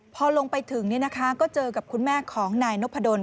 พอลงไปถึงก็เจอกับคุณแม่ของนายนพดล